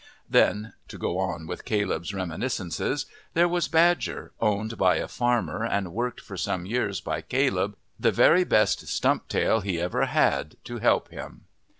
Then (to go on with Caleb's reminiscences) there was Badger, owned by a farmer and worked for some years by Caleb the very best stump tail he ever had to help him.